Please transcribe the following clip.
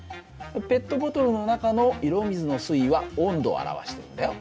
ペットボトルの中の色水の水位は温度を表してるんだよ。